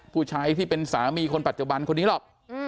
ผู้ชายที่เป็นสามีคนปัจจุบันคนนี้หรอก